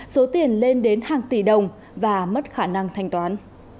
số tiền lên đến hàng tỷ đồng và mất khả năng thanh toán